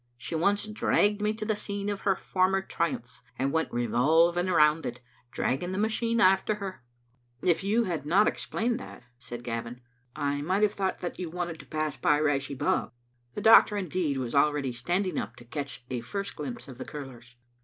She once dragged me to the scene of her former triumphs, and went re volving round it, dragging the machine after her. " If you had not explained that," said Gavin, " I might have thought that you wanted to pass by Rashie bog. " The doctor, indeed, was already standing up to catch a first glimpse of the curlers.